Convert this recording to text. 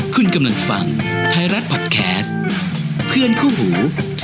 คุณกำลังฟังไทยรัฐพอดแคสต์เพื่อนคู่หู